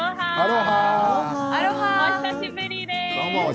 どうもお久しぶりです。